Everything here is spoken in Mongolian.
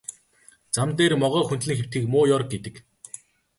Зам дээр могой хөндлөн хэвтэхийг муу ёр гэдэг юм.